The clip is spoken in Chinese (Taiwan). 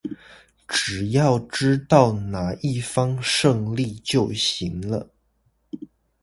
只要知道那一方勝利就行了